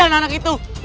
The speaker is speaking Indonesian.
aku sudah melakukannya